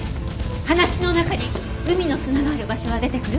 話の中に海の砂がある場所は出てくる？